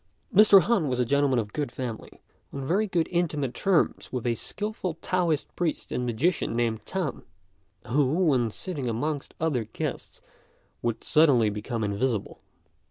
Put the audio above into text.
Mr. Han was a gentleman of good family, on very intimate terms with a skilful Taoist priest and magician named Tan, who, when sitting amongst other guests, would suddenly become invisible.